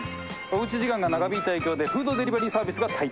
おうち時間が長引いた影響でフードデリバリーサービスが台頭。